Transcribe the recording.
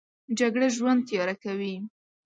جګړه ژوند تیاره کوي